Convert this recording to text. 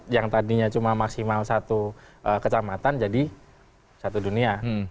yang tadinya cuma maksimal satu kecamatan jadi satu dunia